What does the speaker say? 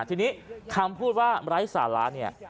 ทีนี้คำพูดว่าไร้สาระเนี่ย